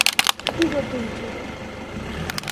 He worked as a tutor.